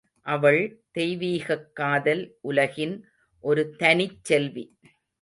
அவள் தெய்வீகக் காதல் உலகின் ஒரு தனிச் செல்வி.